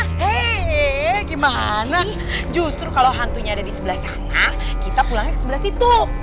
oke gimana justru kalau hantunya ada di sebelah sana kita pulangnya ke sebelah situ